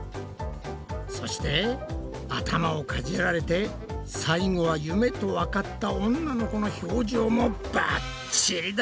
そして頭をかじられて最後は夢とわかった女の子の表情もばっちりだ。